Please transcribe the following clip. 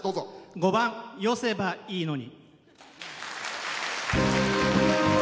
５番「よせばいいのに」。